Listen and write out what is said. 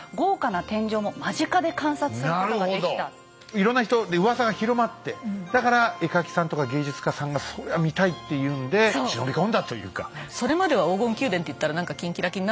いろんな人でうわさが広まってだから絵描きさんとか芸術家さんがそりゃ見たいっていうんで忍び込んだというか。